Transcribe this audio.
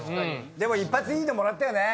でも一発いいのもらったよね。